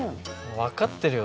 分かってるよ。